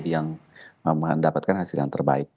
yang mendapatkan hasil yang terbaik